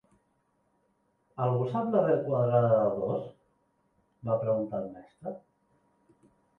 Algú sap l'arrel quadrada de dos? va preguntar el mestre